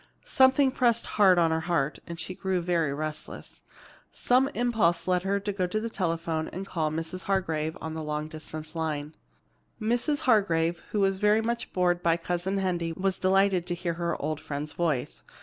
Something pressed hard on her heart, and she grew very restless. Some impulse led her to go to the telephone and call Mrs. Hargrave on the long distance line. Mrs. Hargrave, who was very much bored by Cousin Hendy, was delighted to hear her old friend's voice.